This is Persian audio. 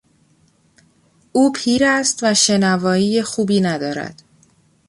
او پیر است و شنوایی خوبی ندارد.